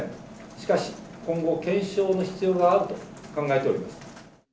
しかし、今後、検証の必要があると考えております。